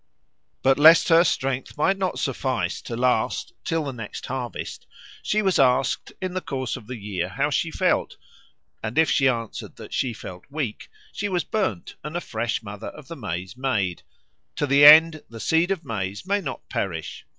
But lest her strength might not suffice to last till the next harvest, she was asked in the course of the year how she felt, and if she answered that she felt weak, she was burned and a fresh Mother of the Maize made, "to the end the seed of maize may not perish."